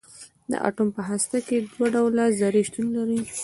د اټوم په هسته کې دوه ډوله ذرې شتون لري.